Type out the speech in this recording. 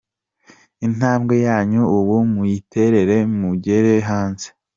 Intambwe yanyu ubu muyiterere mugere hanze